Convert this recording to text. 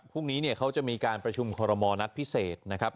พรุ่งนี้เนี่ยเขาจะมีการประชุมคอรมอลนัดพิเศษนะครับ